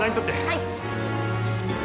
・はい。